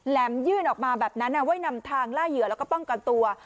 ยื่นออกมาแบบนั้นไว้นำทางล่าเหยื่อแล้วก็ป้องกันตัว